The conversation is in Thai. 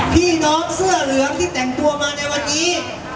พี่น้องเสื้อเหลืองที่แต่งตัวมาในวันนี้